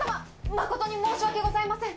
誠に申し訳ございません。